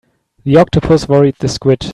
The octopus worried the squid.